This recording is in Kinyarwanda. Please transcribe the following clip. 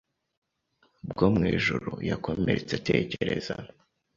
bwo mu ijuru yakomeretse atekereza